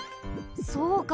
そうか！